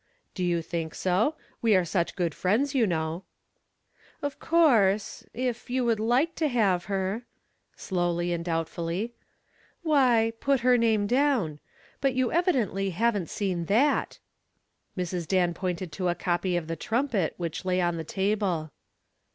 "Do you think so? We are such good friends, you know." "Of course, if you'd like to have her," slowly and doubtfully, "why, put her name down. But you evidently haven't seen that." Mrs. Dan pointed to a copy of the Trumpet which lay on the table.